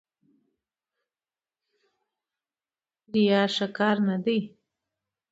ریا ښه کار نه دی.